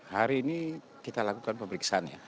hari ini kita lakukan pemeriksaan ya